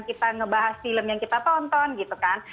kita ngebahas film yang kita tonton gitu kan